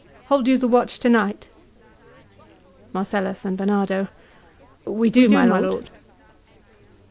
Hold you the watch tonight? Mar. and BARNARDO. We do, my lord.